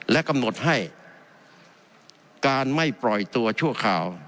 และกำหนดให้การไม่ปล่อยตัวชั่วคราว